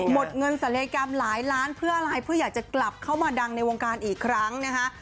หมดเงินศัลยกรรมหลายล้านเพื่ออะไรเพื่ออยากจะกลับเข้ามาดังในวงการอีกครั้งนะคะ